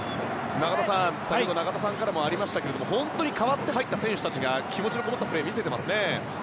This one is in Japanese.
中田さんからも先ほどありましたが本当に代わって入った選手たちが気持ちの入ったプレーを見せていますね。